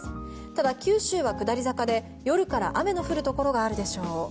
ただ、九州は下り坂で夜から雨の降るところがあるでしょう。